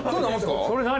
それ何？